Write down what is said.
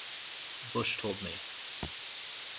Bush told me.